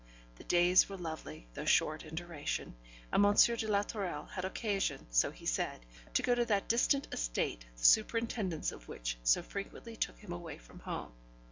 The days were lovely, though short in duration, and M. de la Tourelle had occasion, so he said, to go to that distant estate the superintendence of which so frequently took him away from home.